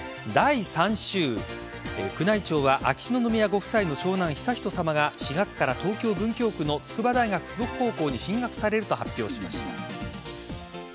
第３週宮内庁は秋篠宮ご夫妻の長男・悠仁さまが４月から東京・文京区の筑波大学附属高校に進学されると発表しました。